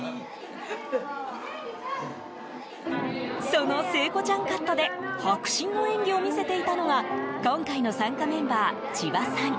その聖子ちゃんカットで迫真の演技を見せていたのが今回の参加メンバー、千葉さん。